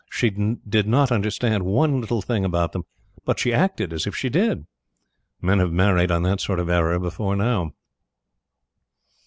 She did not understand one little thing about them, but she acted as if she did. Men have married on that sort of error before now.